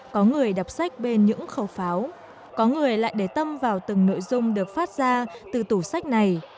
có người đọc sách bên những khẩu pháo có người lại để tâm vào từng nội dung được phát ra từ tủ sách này